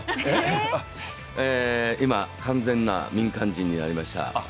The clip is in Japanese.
今、完全な民間人になりました。